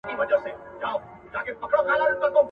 دلته هلته به هوسۍ وې څرېدلې ..